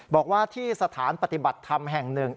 บอกว่าที่สถานปฏิบัติธรรมแห่งหนึ่ง